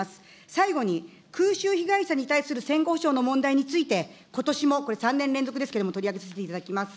最後に空襲被害者に対する戦後補償の問題について、ことしもこれ、３年連続ですけれども、取り上げさせていただきます。